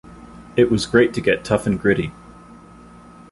It was great to get tough and gritty.